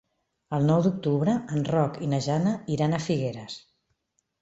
El nou d'octubre en Roc i na Jana iran a Figueres.